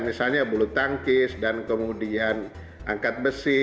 misalnya bulu tangkis dan kemudian angkat besi